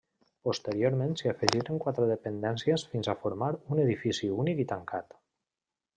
Posteriorment s'hi afegiren quatre dependències fins a formar un edifici únic i tancat.